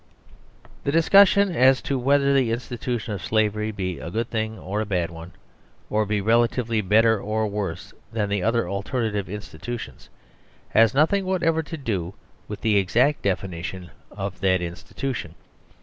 The discussion as to whether the institution of slavery be a good or a bad one, or be relatively better or worse than other alternative institutions, has noth ing whatever to do with the exact definition of that institution.